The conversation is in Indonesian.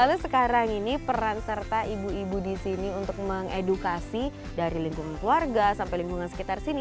lalu sekarang ini peran serta ibu ibu di sini untuk mengedukasi dari lingkungan keluarga sampai lingkungan sekitar sini